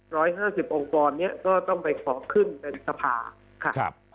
ร้อยห้าสิบองค์กรเนี้ยก็ต้องไปขอขึ้นในสภาครับ